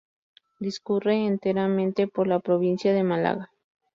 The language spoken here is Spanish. Discurre enteramente por la provincia de Málaga.